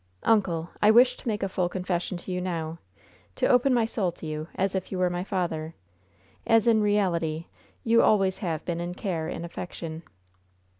"Uncle, I wish to make a full confession to you now to open my soul to you, as if you were my father as, in reality, you always have been in care and affection."